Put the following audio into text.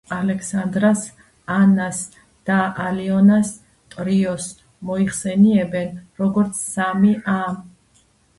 ალექსანდრას, ანას და ალიონას ტრიოს მოიხსენიებენ, როგორც სამი ა.